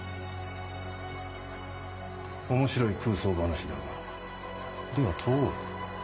面白い空想話だがでは問おう。